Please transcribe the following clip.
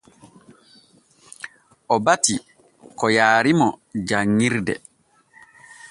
O bati ko yaarimo janŋirde.